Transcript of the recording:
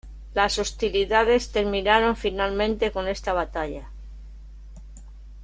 Las hostilidades terminaron finalmente con esta batalla.